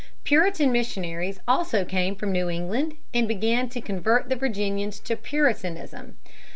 Puritan missionaries also came from New England and began to convert the Virginians to Puritanism.